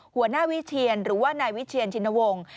หัวหน้าวิเชียนหรือว่านายวิเชียนชินวงศ์